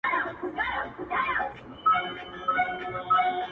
اوس چي سهار دى گراني~